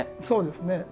そうですね。